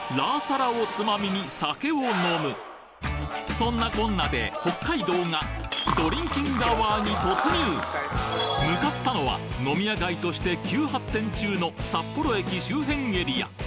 そんなこんなで北海道が向かったのは飲み屋街として急発展中の札幌駅周辺エリア